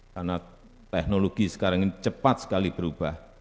karena teknologi sekarang ini cepat sekali berubah